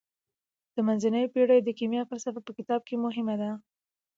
د منځنیو پیړیو د کیمیا فلسفه په کتاب کې مهمه ده.